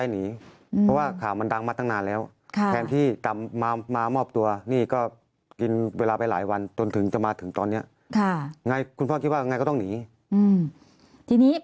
นี้ท่านพี่มามอบตัวก็เงินเวลาไปหลายวันจนถึงจะมาตอนนี้คุณพ่อกินว่าก็ต้องหนี